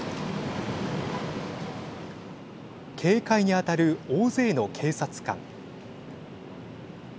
警戒に当たる大勢の警察官。